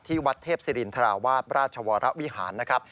วัดเทพศิรินทราวาสราชวรวิหารนะครับ